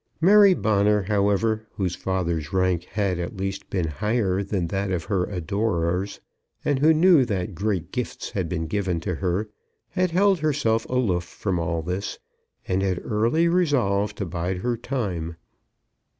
Mary Bonner, however, whose father's rank had, at least, been higher than that of her adorers, and who knew that great gifts had been given to her, had held herself aloof from all this, and had early resolved to bide her time.